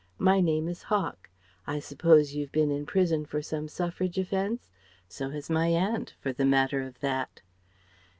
My name is Hawk. I suppose you've been in prison for some Suffrage offence? So has my aunt, for the matter of that."